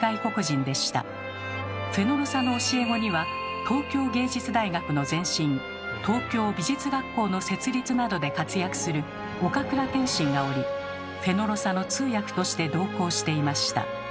フェノロサの教え子には東京藝術大学の前身東京美術学校の設立などで活躍する岡倉天心がおりフェノロサの通訳として同行していました。